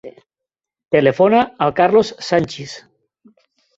Telefona al Carlos Sanchis.